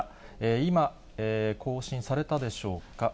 今、更新されたでしょうか。